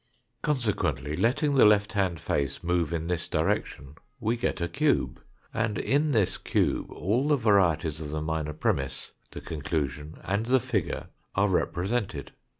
Consequently letting the left hand face move in this direction we get a cube, and in this cube all the varieties of the minor premiss, the conclusion, and the figure are represented.